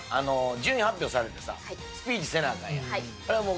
順位発表されてさ、スピーチせなあかんやん。